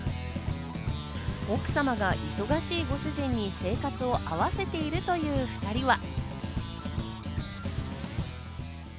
奥様が忙しいご主人に生活を合わせているという２人は。